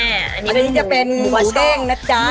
อันนี้จะเป็นหัวเก้งนะจ๊ะ